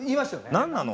何なの？